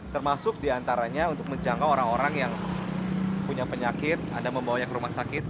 termasuk diantaranya untuk menjangkau orang orang yang punya penyakit anda membawanya ke rumah sakit